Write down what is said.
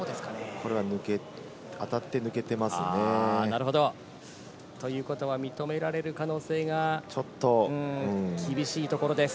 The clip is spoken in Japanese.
これは当たって抜けてますよね。ということは認められる可能性が厳しいところです。